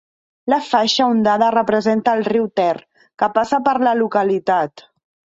La faixa ondada representa el riu Ter, que passa per la localitat.